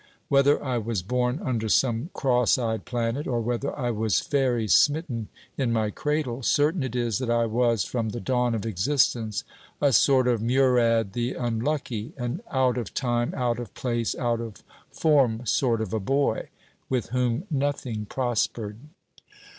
Whether I was born under some cross eyed planet, or whether I was fairy smitten in my cradle, certain it is that I was, from the dawn of existence, a sort of "Murad the Unlucky;" an out of time, out of place, out of form sort of a boy, with whom nothing prospered.